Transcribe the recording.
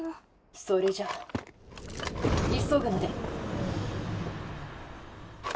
それじゃ急ぐので。